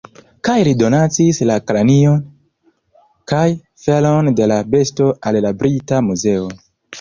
Kaj li donacis la kranion kaj felon de la besto al la Brita Muzeo.